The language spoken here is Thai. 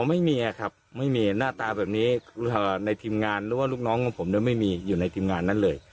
ไม่มีครับไม่มีหน้าตาแบบนี้ในทีมงานหรือว่าลูกน้องของผมไม่มีอยู่ในทีมงานนั้นเลย